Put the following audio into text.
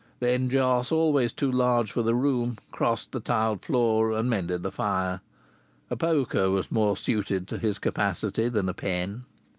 Then Jos, always too large for the room, crossed the tiled floor and mended the fire. A poker was more suited to his capacity than a pen.